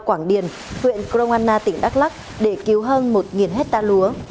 quảng điền huyện kroana tỉnh đắk lắc để cứu hơn một hectare lúa